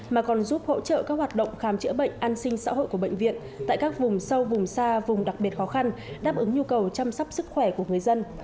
mà còn giúp hỗ trợ các hoạt động khám chữa bệnh an sinh xã hội của bệnh viện tại các vùng sâu vùng xa vùng đặc biệt khó khăn đáp ứng nhu cầu chăm sóc sức khỏe của người dân